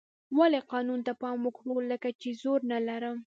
ولې قانون ته پام وکړو لکه چې زور نه لرم.